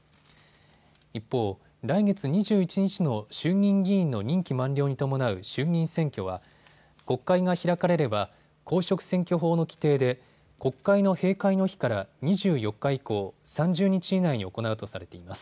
一方、来月２１日の衆議院議員の任期満了に伴う衆議院選挙は国会が開かれれば公職選挙法の規定で国会の閉会の日から２４日以降、３０日以内に行うとされています。